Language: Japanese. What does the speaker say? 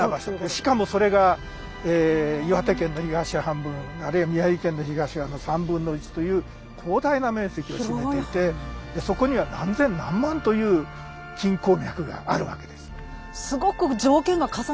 しかもそれが岩手県の東半分あるいは宮城県の東側の３分の１という広大な面積を占めていてそこには何千何万という金鉱脈があるわけです。